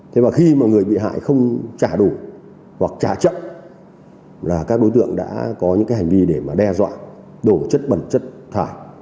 thế mà khi mà người bị hại không trả đủ hoặc trả chậm là các đối tượng đã có những cái hành vi để mà đe dọa đổ chất bẩn chất thải